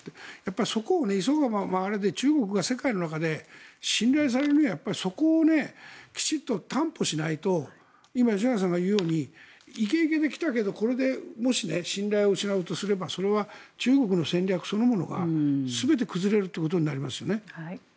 そこを急がば回れで中国は世界に信頼されるにはそこをやっぱりきちんと担保しないと今、吉永さんが言うようにイケイケで来たけどこれでもし、信頼を失うとすればそれは中国の戦略そのものが全て崩れることになりますよね。